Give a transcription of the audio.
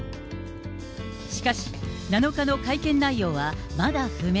しかし、７日の会見内容はまだ不明。